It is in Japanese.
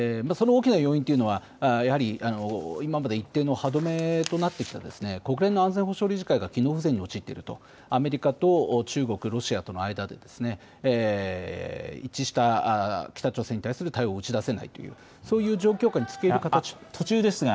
その大きな要因というのはやはり今まで一定の歯止めとなってきた国連の安全保障理事会が機能不全に陥っているとアメリカと中国ロシアとの間で一致した北朝鮮に対する対応を打ち出せないという、そういう状況下につけいる形で。